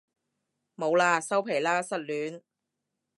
冇喇收皮喇失戀